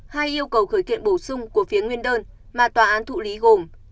hai yêu cầu khởi kiện bổ sung của phía nguyên đơn mà tòa án thụ lý gồm